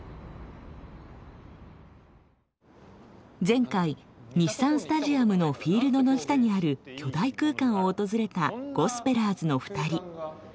前回日産スタジアムのフィールドの下にある巨大空間を訪れたゴスペラーズの２人。